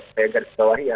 saya agak disedawahi ya